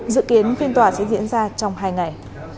dự kiến phiên tòa sẽ diễn ra trong hai ngày